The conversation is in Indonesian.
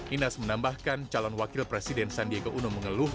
inas menambahkan calon wakil presiden sandiaga uno mengeluh